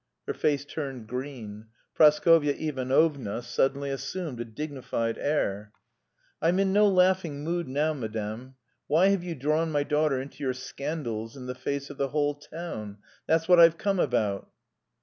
Her face turned green. Praskovya Ivanovna suddenly assumed a dignified air. "I'm in no laughing mood now, madam. Why have you drawn my daughter into your scandals in the face of the whole town? That's what I've come about."